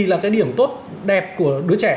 là cái điểm tốt đẹp của đứa trẻ